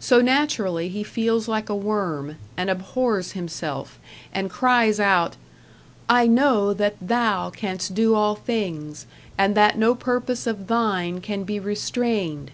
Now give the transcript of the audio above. So naturally he feels like a worm, and abhors himself, and cries out: "I know that Thou canst do all things, and that no purpose of Thine can be restrained."